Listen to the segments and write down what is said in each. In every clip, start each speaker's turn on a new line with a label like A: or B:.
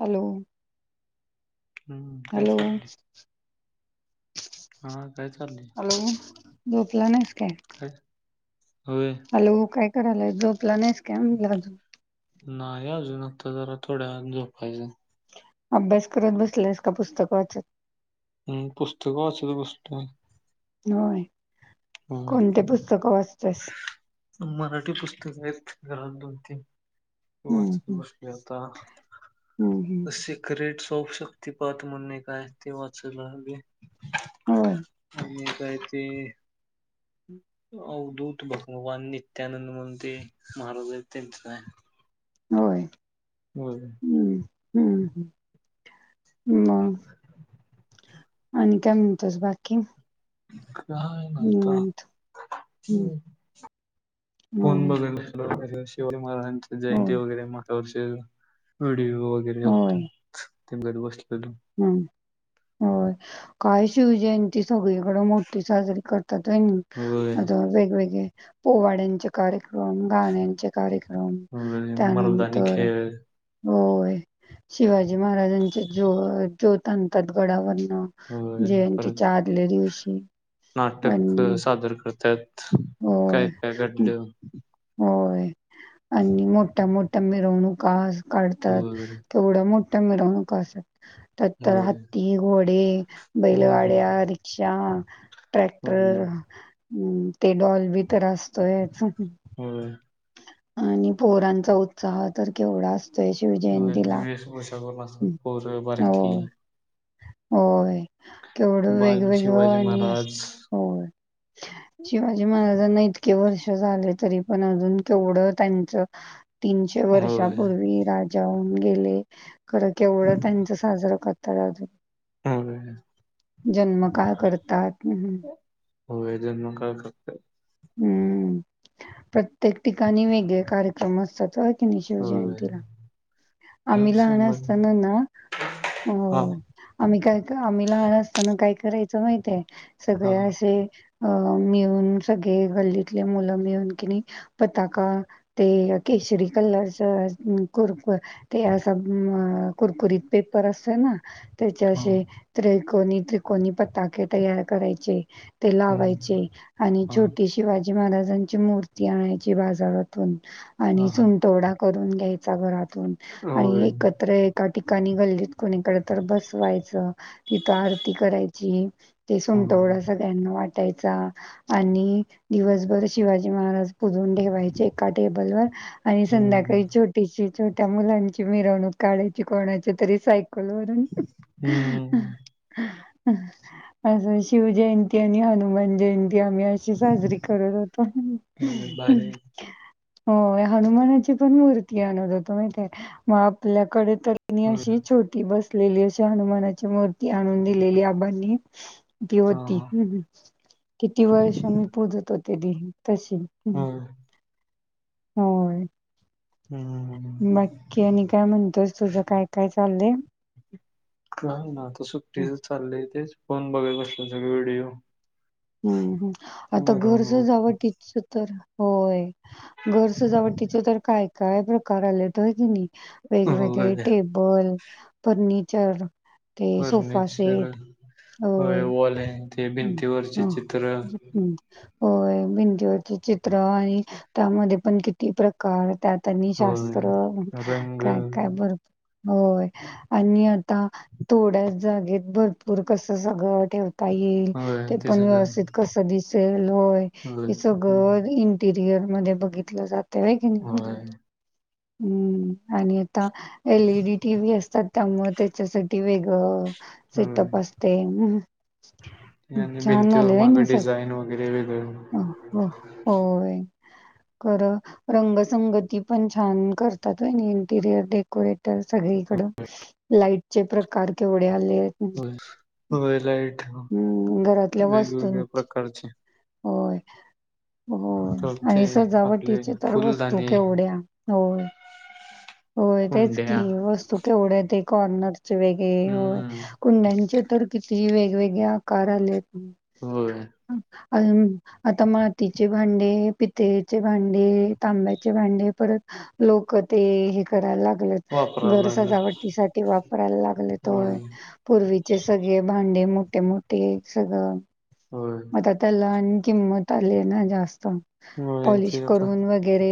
A: Hello
B: हम्म काय
A: hello
B: चाललंय हा काय चाललंय
A: हॅलो झोपला नाहीस काय
B: होय
A: हॅलो काय. काय करायलास झोपला नाहीस काय अजून.
B: नाही अजून अना अता जरा थोड्या झोपायचं.
A: अभ्यास करत बसलेस का पुस्तक वाचत?
B: हम्म पुस्तक वाचत बसलोय.
A: होय
B: हो
A: कोणते पुस्तकं वाचतेस?
B: मराठी पुस्तक आहेत तिथं.
A: हम्म हम्म
B: [unintelligible]
A: हम्म
B: [unintelligible] द
A: हम्म
B: सिक्रेटस. सोप शक्तिपात म्हणून एक हाय ते वाचायला लागलोय.
A: होय
B: आणि त्याय ते अवधूत भगवान नित्यानंद म्हणून ते महाराज त्यांच हाय.
A: होय
B: होय
A: हम्म हम्म हम्म ह आणि काय म्हणतोस बाकी.
B: [unintelligible] काय ना आता
A: निवांत हम्म
B: फोन
A: होय
B: बघायला पाहिजे [unintelligible] [inaudible] हनुमान
A: होय
B: जयंती वैगैरे मोठ्या वर्षी [inaudible] [unintelligible] [unintelligible] ती घरी बसली
A: हम् होय काय शिवजयंती सगळीकडे मोठी साजरी करतात आहे
B: होय
A: आता वेगवेगळे पोवाड्यांचे कार्यक्रम, गाण्याचे कार्यक्रम
B: होय मर्दानी
A: त्यानंतर
B: खेळ
A: होय शिवाजी महाराजांच्या जीवावर ज्योत आणतात गडावर
B: हो परत
A: दिवशी
B: नाटक
A: आणि
B: सादर करतात.
A: होय,
B: काय काय घडल,
A: होय आणि मोठ्या मोठ्या मिरवणुका असतात. काढतात
B: होय
A: तेवढे मोठ त्या मिरवणुका असत. त्या तर
B: होय
A: हत्ती, घोडे, बैलगाड्या,
B: हम्म
A: रिक्षा
B: होय
A: ट्रॅक्टर हम्म ते डॉलबी तर असतोच.
B: होय
A: आणि पोरांचा उत्साह तर केवढा असतो.
B: वर्षातुन असतात
A: हं,
B: पोर बारकी
A: होय, होय केवढं
B: बाल
A: वेगवेगळं
B: शिवाजी
A: आणि असत
B: महाराज
A: हो शिवाजी महाराज त्यांना इतके वर्ष झाले तरी पण अजून केवढं त्यांच तीनशे
B: होय
A: वर्षापूर्वी राजा गेलेत. खरं केवढं त्यांच साजरं करतात. तराजु
B: हा
A: जन्म का करतात हम् हम
B: हो हा जन्म का फक्त
A: हम्म प्रत्येक ठिकाणी वेगळे कार्यक्रम असतात होय? नी
B: होय
A: शिवजयंतीला...
B: होय
A: आम्ही लहान
B: शंभर
A: असताना ना
B: हा
A: हो. आम्ही काय आम्ही लहान असताना काय करायचं माहितय.
B: हा
A: सगळे असे... अ मिळून सगळे गल्लीतले मुलं मिळून कि नाही पताका ते केसरी कलर कुरकुर ते असं कुरकुरीत पेपर असत ना.
B: हा
A: त्याच्याशी त कोणी त्रिकोणी पतााके तयार करायचे. ते लावायचे
B: हम्म
A: आणि
B: हा
A: छोटी शिवाजी... शिवाजी महाराजांची मूर्ती आणायची बाजारातून...
B: हा
A: आणि
B: हा.
A: सुंटवडा. करून घ्यायचा घरातून. आणि
B: होय
A: एकत्र एका ठिकाणी घलल. कोणीकडे तर बसवायचं. तिथ आरती करायची ते
B: हा
A: सुमटवडा सगळ्यांना वाट वाटायचा आणि दिवसभर शिवाजी महाराज.... पुजून ठेवायचे एका टेबल वर आणि
B: हम्म
A: संध्याकाळी छोटीशी..... त्या मुलांची मिरवणूक काढायची कोणाची तरी सा.... कोलवररून...
B: हम्म
A: असं शिवजयंती आणि हनुमान जयंती.... आम्ही अशी साजरी करत होतो.
B: भारी
A: हो हनुमानाची पण मूर्ती आणत हो. माे मग आपल्याकडे... क
B: हम्म
A: अशी छोटी बस... शलेली अशा हनुमानाची मूर्ती आणून दिलेली आबांनी...
B: हा
A: होती
B: हा
A: किती वर्ष मी पूजत हो.... तरीी ह... तशी ह.
B: हम्म
A: होय. बाकी
B: हम्म
A: आणि काय म्हणतोस तुझं काय काय चाललंय.
B: काय ना. तसं टि चाललंय ते. फण बघाल कसले सगळे व्हिडिओ..
A: हम्म हम्म आता घर
B: मिरवणूक
A: सजावटीच तर. होय घर सजावटीच तर काय काय प्रकार आलेत आहे की नाही. वेगवेगळे
B: वगैरे
A: टेबल फर्नीचर. [unintelligible]
B: फर्निचर वॉल ते बिन ते.
A: हा हम्म. होय भिंतीवरची चित्र आणि त्यामध्ये पण किती प्रकार त्यात.. त्यांनी
B: होय
A: शास्त्र
B: रंग
A: काय काय भरपुर बोल. होय आणि आता थोड्याच जागेत भरपूर कस सगळं ठेवत.
B: होय
A: [unintelligible]
B: ते
A: पण
B: सगळं
A: व्यवस्थित कस.. [unintelligible] होय हे
B: ते पण
A: सगळं इंटेरिअर. करीअर मध्ये बघितलं जात. ते क
B: होय
A: [unintelligible] हम्म आणि‌. एलईडी टी व्ही असतात? त्यामुळें त्याच्यासाठी वेगळं.
B: होय
A: सेटप असते. हं.
B: आणि
A: छान
B: भिंतीवर
A: झालंय होय
B: माग
A: नि सगळं.
B: डिझाईन वगैरे
A: अ, हो,
B: वेगळं.
A: होय. खरं रंगसंगती पण छान करतातय इंटिरियर डेकोरेट. सगळीकडून लाईट. चे प्रकार केवढ्या.
B: होय होय लाइट.
A: हं, घरातल्या वस्तूंची- होय. होय
B: ते
A: आणि
B: आपले
A: सजावटीचे तर वस्तू
B: फुलदाणे,
A: केवढ्या होय.. होय तेच
B: कुंड्या
A: की वस्तू केवढ्यात आहेत एक. कॉर्नर. वेगे होय
B: हम्म
A: कुंड्यांच्या. तर किती वेगवेगळे आकार आले आहेत?
B: होय.
A: अ आता मातीचे भांडे, पितळेचे हांडे, तांब्याचे भांडे, परत लोक ते हे करायला लागत. घर
B: वापरायला लागलेत.
A: सजवटासाठी वापरायला लागलेत होय पुर्वी ते सगळे भांडे मोठे मोठे सगळं
B: होय
A: म ता तलान किंमत आली ना जास्त
B: होय
A: पॉलिश
B: ते आता
A: करून वगैरे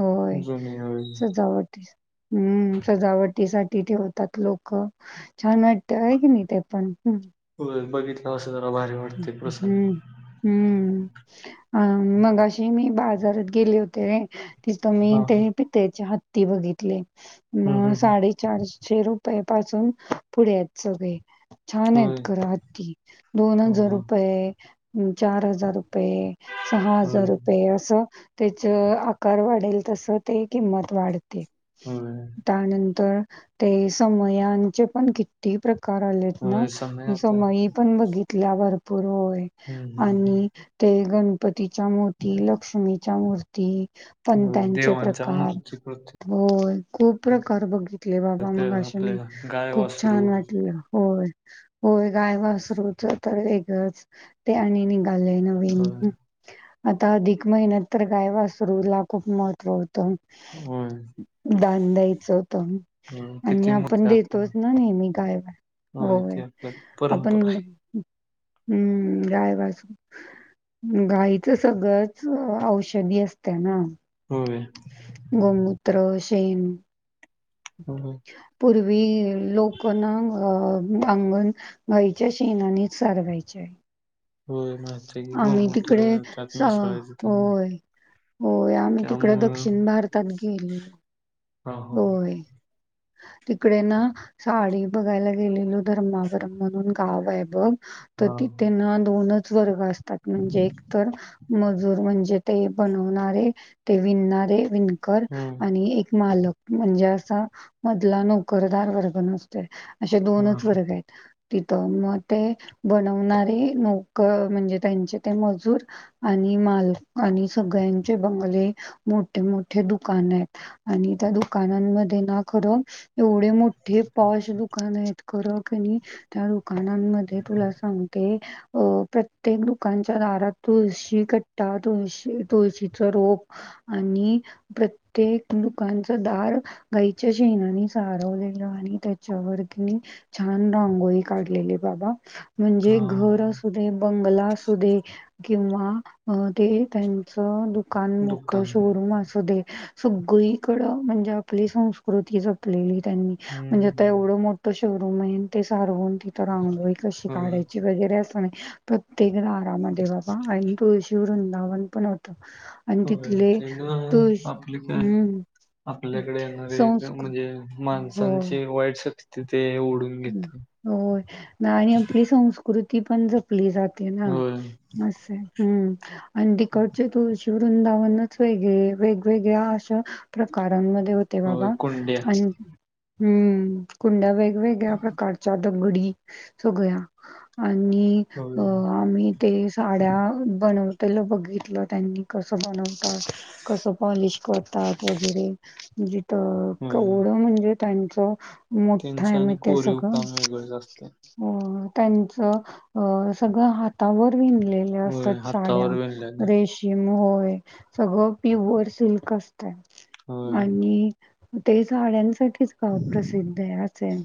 A: होय
B: जुने होय.
A: सजावट हम्म सजावटी साठी ठेवतात लोक छान वाटते आहे की नाही ते पण हम्
B: बघित
A: हम्म हम्म अ मग अशी मी बाजारात गेले होते की तुम्ही
B: हा
A: ते
B: हा
A: पित्याचे हात ती बघितली
B: हम्म
A: मग
B: हम्म हम्म
A: साडेचार छे रुपये पासून पुढे आहेत सगळे छान आहेत
B: होय.
A: खरं हत्ती दोन
B: हा
A: हजार
B: हा
A: रुपये हम् चार हजार रुपये सहा हजार
B: होय
A: रुपये असं त्याच आकार वाढेल तसं ते किंमत वाढ
B: होय
A: त्यानंतर ते समयांचे पण किती प्रक करायलेत ना
B: होय समय
A: ती
B: आता
A: समई पण बघित तिला भरपूर होत
B: हम्म हम्म
A: आणि
B: हम्म
A: ते गणपत तिच्या मोती लक्ष्मी च्या मूर्ती
B: होय
A: पणत्यांचे चे
B: देवांच्या
A: प्रकार
B: मूर्ती प्रत्येक
A: होय खूप प्रकार बघितले बाबा
B: त्या
A: मग असे मी
B: आपल्या गाय
A: खूप
B: वासरू
A: छान वाटलं होय होय गायवासरूच तर वेगळच ते आणि नि आलय नवीन
B: होय
A: आता अधिक महिन्यात तर गायवासरूला खूप महत्त्व त
B: होय
A: दान द्यायचं होत
B: होय
A: आणि
B: किती
A: आपण
B: मूर्ती आता
A: देतोच ना नेहमी काय
B: ते
A: होय
B: आपल्या
A: आपण
B: परंपरा आहे
A: हम्म गाय वासरू गाईचं सगळंच अं औषधी असतं ना
B: होय
A: रोज शेण
B: होय.
A: पूर्वी लोकं ना अंगण गाईच्या शेणानी सारवायचे.
B: होय ना!
A: आम्ही तिकडे स
B: त्यामुळे
A: होय होय आम्ही तिकड
B: त्यामुळं
A: दक्षिण भारतात गेलो.
B: हा हो
A: होय. तिकडे ना साडी बघायला गेलेलो धर्मावरम म्हणून गाव आहे बघ तर
B: हा
A: तिथे ना दोनच बर वाच तात म्हणजे एक तर मजूर म्हणजे ते बनवणारे ते विणणारे विण कर
B: हम्म
A: आणि एक मालक. म्हणजे असं मधला नोकरदार वर्ग नसतोय. अशे
B: हा
A: दोनच वर्ग आहेत. तिथं मग ते बनवणारे नोकर म्हणजे त्यांचे ते मजूर आणि माल आणि सगळ्यांचे बंगले मोठे मोठे दुकान आहेत आणि त्या दुकानात दुकानांमध्ये ना खरं एवढे मोठे पॉश दुकान आहेत. खरं क नाही त्या दुकानांमध्ये तुला सांगते. अ प्रत्येक दुकानाच्या दारात तुळशी कट्टा तुळशी तुळशीचं रोप आणि प्रत्येक दुकान दार गाईच्या शेणानी सारवलेलं आणि त्याच्या वरती छान रांगोळी काढलेली बाबा म्हणजे
B: हा
A: घर असू दे बंगला असू दे किंवा ते त्यांचं दुकान दुकान मोठ
B: दुकान
A: शोरूम असू दे सगळे इकडे म्हणजे आपली संस्कृती जपलेली म्हणजे
B: हम्म
A: त्यावेळी मोठे शहर शोरूम आहे ते सारवून तिथ रांगोळी कशी
B: होय
A: काढायची वगैरे अस प्र [unintelligible] तेघला आराम देवाबाई [unintelligible] तुळशीवरूनधावन पण होतं. आणि
B: होय
A: तिथले
B: ते ना
A: त
B: आपले काय
A: हम्म
B: आपल्याकडे येणारे
A: संस्कृ
B: म्हणजे
A: होय.
B: माणसांची वाईट शक्ती ते ओढून घेते
A: होय ना आणि आपली संस्कृती ती पण जपली जात ना
B: होय
A: अस हम्म आणि तिकडचे तू वृंदावन वेगळे वेगवेगळ्या अश प्रकारमध्ये होते होते
B: होय
A: बाबा
B: कोंड्या
A: आणि हम्म कुंडा वेगवेगळे घडी सगळ्या आणि अ
B: होय
A: आम्ही ते साड्या बनव त्याला बघितलं त्यांनी कसं बनव कसं पण कटट वगैरे तर
B: होय
A: कवडं म्हणजे त्यांच मोठा
B: त्यांचं
A: एम
B: आणि कोरीव काम वेगळं जा असत
A: त्यांच सगळं हातावर विणलेल्या
B: होय
A: असतात साड्या
B: हातावर विणलेलं
A: रेष घेऊन होय सगळं प्युअर सिल्क असत
B: होय
A: आणि ते साड्यांसाठी च गाव प्रसिद्ध आहे अस आहे.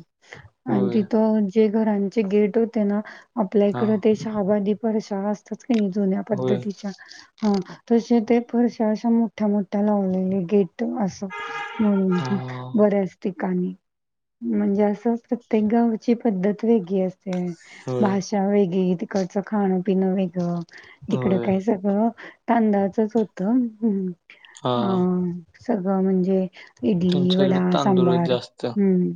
A: आणि
B: होय
A: तिथं जे घरांचे गेट होते ना आपल्या
B: हा
A: इकडं ते [unintelligible] जुन्या
B: होय
A: पद्धतीच्या हा तशे ते फरश्या अश्या मोठ्या मोठ्या लावलेले गेट असं
B: हा
A: म्हणून बर असते आणि म्हणजे अस सत प्रत्येक गावची पद्धत वेग अस
B: होय
A: भाषा वेगळी तिकडचं खाणं पिणं वेगळं तिकडं
B: होय
A: काय सगळं तांदळाचच होतं हम्म.
B: हा
A: अ. सगळं म्हणजे इडली,
B: त्यांच्या इकडे
A: वडा,
B: तांदूळच
A: सांभार
B: जास्त
A: हम्म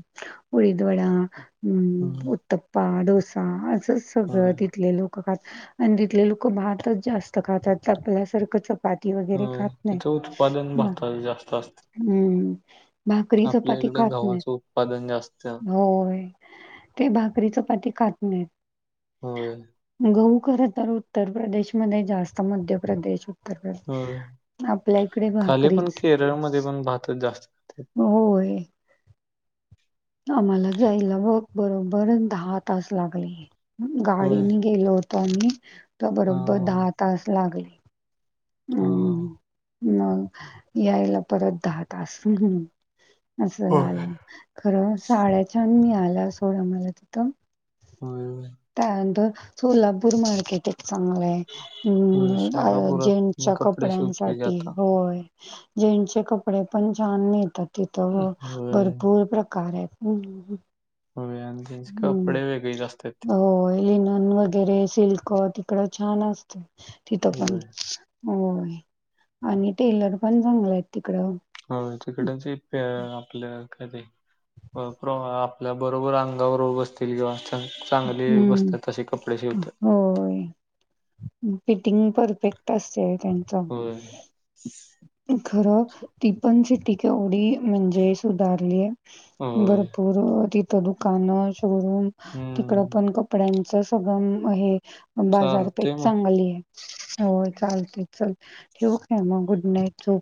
A: उडीद वडा हम्म उत्तप अ डोसा असं सगळं
B: होय
A: तिथले लोक आणि तिथले लोक भातच जास्त खातात, आपल्यासारखं च चपाती वगैरे
B: होय
A: खात नाहीत
B: तिथं उत्पादन
A: म
B: भाताचं जास्त असतं.
A: हम्म भाकरी
B: आपल्या
A: चपाती
B: इकडं
A: खात नाहीत.
B: गव्हाचं उत्पादन जास्त
A: होय ते भाकरी, चपाती खात हम्म.
B: होय
A: गहूं खर तर उत्तर प्रदेशमध्ये जास्त मध्यप्रदेश
B: होय, खाली पण
A: भाकरीच
B: केरळमध्ये पण भाताच जास्त खातात
A: होय. आम्हाला जायला बघ बरोबर दहा तास लागले.
B: होय
A: गाडीने गेलो होत. पाणी... तर
B: हा.
A: बरोबर दहा तास लागले.
B: हा हा.
A: हम्म मग यायला परत दहा तास. अस
B: होय
A: झालं खर साड्या छान मि मला सोडा मला तिथं,
B: होय होय
A: त्या द सोलापूर मार्केट आहे. चागल हाय,
B: होय
A: म्
B: सोलापुरात
A: जे
B: मी
A: च्या
B: कपडे शिवतोय की
A: कपड्यांसाठी
B: आता
A: होय. जेंट्सचे कपडे पण छान मिळतात. तिथं
B: होय
A: भरपूर प्रकार आहेत. हम्म ह.
B: होय आणि त्यांचे कपडे वेगळेच असतात.
A: हम्म अ लिनोन वगैरे सिल्क वैग तिकडं छान असतय. तथं पण
B: होय
A: होय, आणि टेलर पण चांगलाय ते.
B: हो तिकडचं [unintelligible] आपलं.. त [unintelligible] आपल्या बरोबर अंगावर बसतील किंवा.. चांगले
A: हम्म
B: बसतात असे कपडे शिवतात.
A: होय. फिटिंग परफेक्ट असते. त्यांचा.
B: होय
A: खरं ती पण सिटी केवढी म्हणजे सुधारलीये.
B: होय
A: भरपूर ति दुकानं, शोरूम. तिकडं
B: हम्म
A: पण कपड्यांच सगळं अं हे. बाजारपेठ
B: चालते मग.
A: चांगली आहे. हो चालते चल ठेवू काय? मग गुड नाईट ठेव.